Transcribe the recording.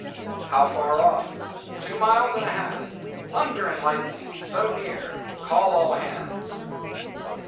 "How far off?" "Two miles and a half." "Thunder and lightning! so near! Call all hands."